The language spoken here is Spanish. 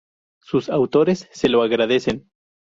Sus autores se lo agradecen.